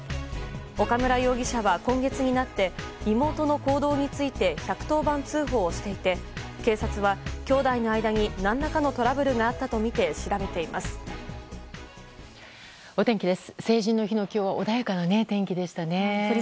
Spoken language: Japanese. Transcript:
岡村容疑者は今月になって妹の行動について１１０番通報をしていて警察は兄妹の間に何らかのトラブルがあったとみてお天気です。